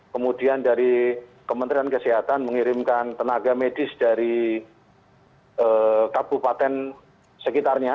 kemudian dari kementerian kesehatan mengirimkan tenaga medis dari kabupaten sekitarnya